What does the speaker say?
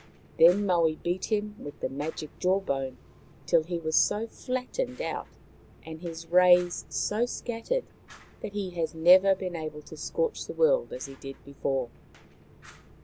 Then Maui beat him with the magic jaw bone till he was so flattened out, and his rays so scattered, that he has never since been able to scorch the world as he did before.